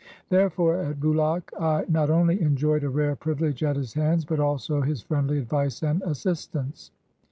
Therefore at Bulaq I not only enjoyed a rare privilege at his hands, but also his friendly advice and assistance.